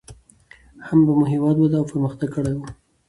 هم به مو هېواد وده او پرمختګ کړى و.